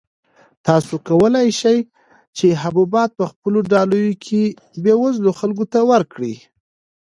تاسو کولای شئ چې حبوبات په خپلو ډالیو کې بېوزلو خلکو ته ورکړئ.